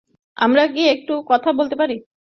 আমরা কি একটু কথা বলতে পারি?